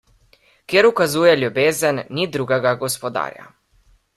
Kjer ukazuje ljubezen, ni drugega gospodarja.